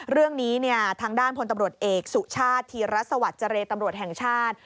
เรื่องนี้เนี่ยทางด้านพลตำรวจเอกสุชาติธีรสวัสดิ์เจรตำรวจแห่งชาติ